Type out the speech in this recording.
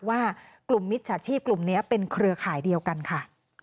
ว่ากลุ่มมิจฉาชีพกลุ่มนี้เป็นเครือข่ายเดียวกันค่ะ